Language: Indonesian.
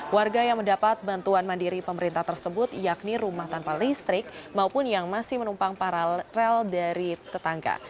warga yang mendapat bantuan mandiri pemerintah tersebut yakni rumah tanpa listrik maupun yang masih menumpang para rel dari tetangga